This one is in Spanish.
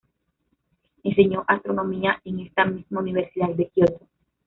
Enseñó astronomía en esta misma universidad de Kioto.